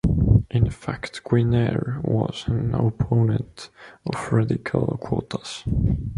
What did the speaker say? In fact, Guinier was an opponent of racial quotas.